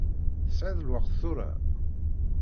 Tesɛiḍ lweqt tura?